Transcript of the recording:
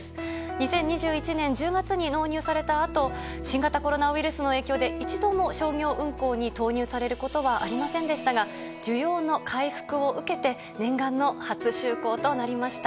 ２０２１年１０月に納入されたあと新型コロナウイルスの影響で一度も商業運航に投入されませんでしたが需要の回復を受けて念願の初就航となりました。